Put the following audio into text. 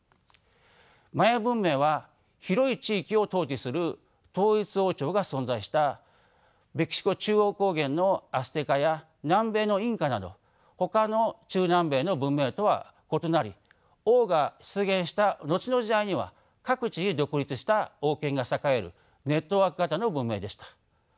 マヤ文明は広い地域を統治する統一王朝が存在したメキシコ中央高原のアステカや南米のインカなどほかの中南米の文明とは異なり王が出現した後の時代には各地に独立した王権が栄えるネットワーク型の文明でした。